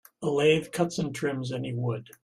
A lathe cuts and trims any wood.